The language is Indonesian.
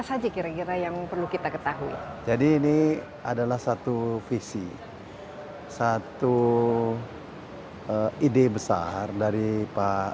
saja kira kira yang perlu kita ketahui jadi ini adalah satu visi satu ide besar dari pak